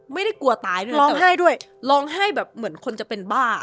ไม่ได้กลัวตายด้วยร้องไห้ด้วยร้องไห้แบบเหมือนคนจะเป็นบ้า